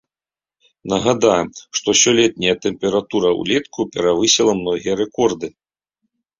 Нагадаем, што сёлетняя тэмпература ўлетку перавысіла многія рэкорды.